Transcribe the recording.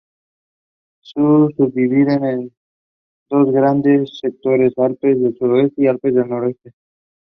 It occurs in metamorphosed magnesium marble.